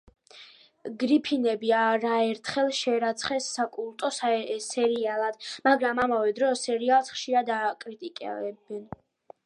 გრიფინები არაერთხელ შერაცხეს საკულტო სერიალად, მაგრამ, ამავე დროს, სერიალს ხშირად აკრიტიკებენ.